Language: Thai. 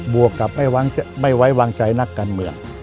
วกกับไม่ไว้วางใจนักการเมือง